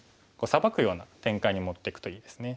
サバくような展開に持っていくといいですね。